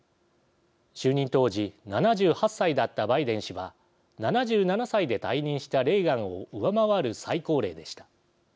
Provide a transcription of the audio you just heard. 就任当時７８歳だったバイデン氏は７７歳で退任したレーガンを上回る最高齢でした。